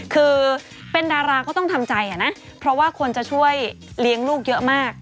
คือเป็นดาราก็ต้องทำใจนะเพราะว่าคนจะช่วยเลี้ยงลูกเยอะมาก